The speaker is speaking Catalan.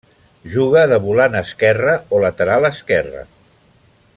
Juga de volant esquerre o lateral esquerre.